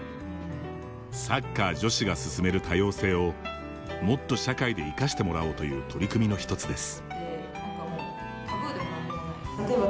サッカー女子が進める多様性をもっと社会で生かしてもらおうという取り組みの１つです。